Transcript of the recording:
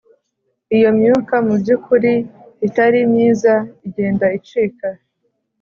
Iyo myuka mu by ukuri itari myiza igenda icika.